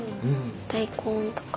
大根とか。